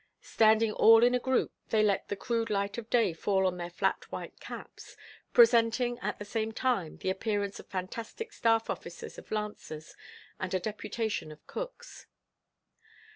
Standing all in a group they let the crude light of day fall on their flat white caps, presenting, at the same time, the appearance of fantastic staff officers of lancers and a deputation of cooks.